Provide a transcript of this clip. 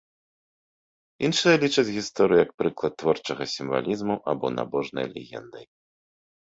Іншыя лічаць гісторыю як прыклад творчага сімвалізму або набожнай легендай.